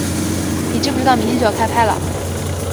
你知不知道明天就要开拍了